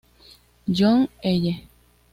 John Eye.